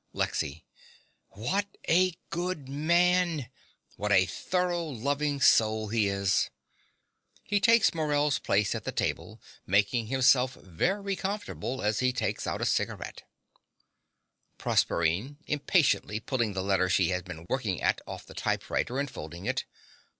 LEXY. What a good man! What a thorough, loving soul he is! (He takes Morell's place at the table, making himself very comfortable as he takes out a cigaret.) PROSERPINE (impatiently, pulling the letter she has been working at off the typewriter and folding it.)